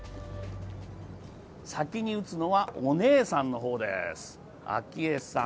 先に打つのは、お姉さんの方です、明愛さん。